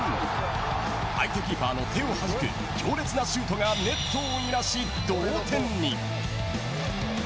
相手キーパーの手をはじく強烈なシュートがネットを揺らし同点に。